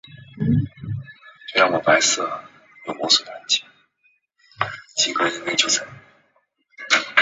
整个城市沿着楠河岸。